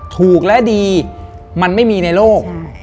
ถูกและดีมันไม่มีในโลก